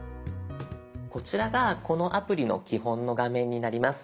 こちらがこのアプリの基本の画面になります。